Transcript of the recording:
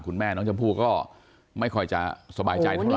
คุณแม่น้องชมพู่ก็ไม่ค่อยจะสบายใจเท่าไห